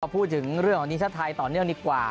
พูดถึงเรื่องของทีมชาติไทยต่อเนื่องดีกว่า